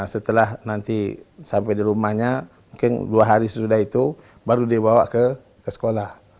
setelah nanti sampai di rumahnya mungkin dua hari sesudah itu baru dibawa ke sekolah